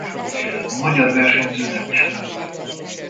A magyar versenyző nem ismert.